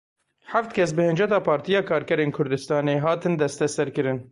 Heft kes bi hinceta Partiya Karkerên Kurdistanê hatin desteserkirin.